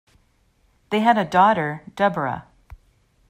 They had a daughter, Deborah.